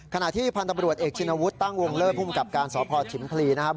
ขณะที่พันธบรวจเอกชินวุฒิตั้งวงเลิศภูมิกับการสพชิมพลีนะครับ